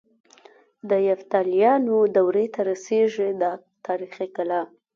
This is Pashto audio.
د یفتلیانو دورې ته رسيږي دا تاریخي کلا.